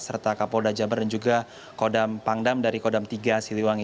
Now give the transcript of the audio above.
serta kapolda jabar dan juga kodam pangdam dari kodam tiga siliwangi